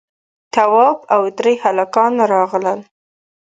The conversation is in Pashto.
تواب او درې هلکان راغلل.